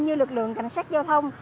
như lực lượng cảnh sát giao thông